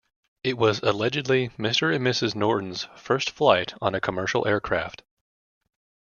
It was allegedly Mr. and Mrs. Norton's first flight on a commercial aircraft.